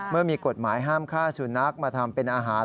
เมื่อมีกฎหมายห้ามฆ่าสุนัขมาทำเป็นอาหาร